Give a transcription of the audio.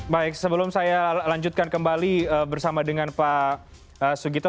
baik sebelum saya lanjutkan kembali bersama dengan pak sugito